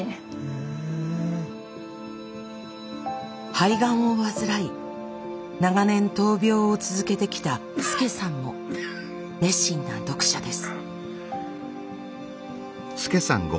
肺がんを患い長年闘病を続けてきたスケサンも熱心な読者です。